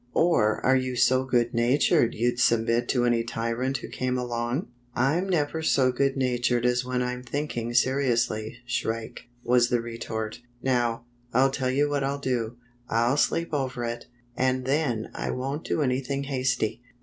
" Or are you so good natured you'd submit to any tyrant who came along?" " I'm never so good natured as when I'm think ing seriously. Shrike," was the retort, "Now, I'll tell you what I'll do. I'll sleep over it, and then I won't do anything hasty."